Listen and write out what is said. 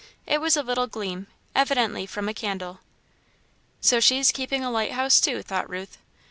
It was a little gleam, evidently from a candle. "So she's keeping a lighthouse, too," thought Ruth.